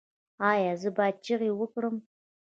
ایا زه باید چیغې وکړم؟